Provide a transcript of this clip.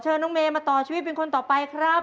ขอเชิญน้องเมมาต่อชีวิตเป็นคนต่อไปครับ